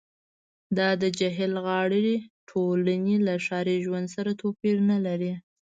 دا د جهیل غاړې ټولنې له ښاري ژوند سره توپیر نلري